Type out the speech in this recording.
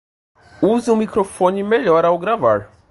Use um microfone melhor ao gravar